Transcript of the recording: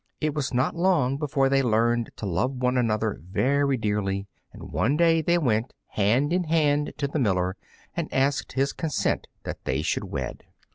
It was not long before they learned to love one another very dearly, and one day they went hand in hand to the miller and asked his consent that they should wed.